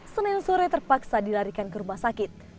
senin sore terpaksa dilarikan ke rumah sakit